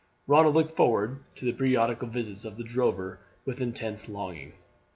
Ronald looked forward to the periodical visits of the drover with intense longing.